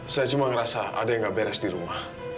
saya cuma ngerasa ada yang gak beres di rumah